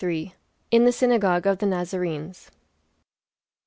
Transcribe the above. IN THE SYNAGOGUE OF THE NAZARENES.